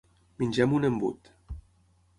Menjar amb un embut.